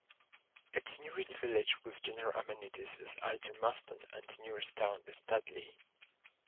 Its nearest village with general amenities is Aldermaston and nearest town is Tadley.